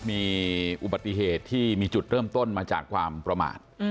มีอุบัติเหตุที่มีจุดเริ่มต้นมาจากความประมาท